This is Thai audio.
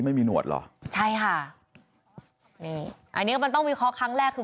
ไม่มีหนวดเหรอใช่ค่ะนี่อันนี้มันต้องวิเคราะห์ครั้งแรกคือ